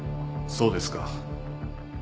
そうですか。